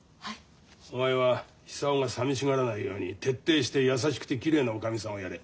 お前は久男がさみしがらないように徹底して優しくてきれいなおかみさんをやれ。